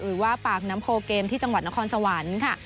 หรือว่าปากน้ำโพเกมที่จังหวัดนครสวรรค์ค่ะ